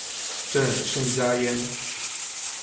朕甚嘉焉。